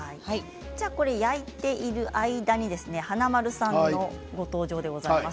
焼いている間に華丸さんのご登場です。